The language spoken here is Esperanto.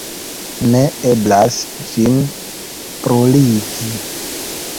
Ne eblas ĝin bruligi.